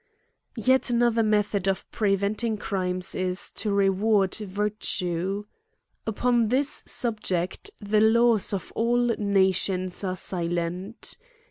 YET another method of preventing crimes is, to reward virtue. Upon this subject the laws of all nations are silent.